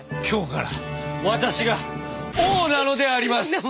今日から私が王なのであります！